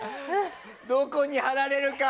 どこに貼られるか。